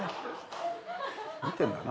見てんだな？